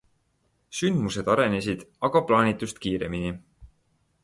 Sündmused arenesid aga plaanitust kiiremini.